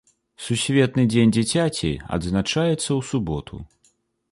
Сусветны дзень дзіцяці адзначаецца ў суботу.